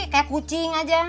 kayak kucing aja